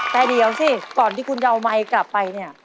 แต่เดี๋ยวสิก่อนที่คุณจะเอาไมค์กลับไปเนี่ย